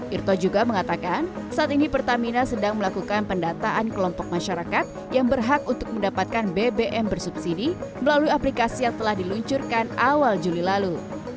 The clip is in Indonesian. irto juga mengatakan saat ini pertamina sedang melakukan pendataan kelompok masyarakat yang berhak untuk mendapatkan bbm bersubsidi melalui aplikasi yang telah diluncurkan awal juli lalu